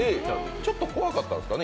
ちょっと怖かったんですかね